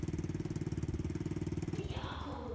やころ。